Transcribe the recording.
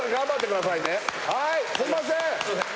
はいすいません